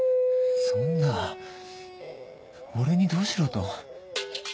そんな俺にどうしろと？